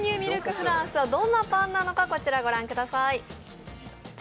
フランスはどんなパンなのか御覧ください。